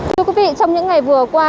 thưa quý vị trong những ngày vừa qua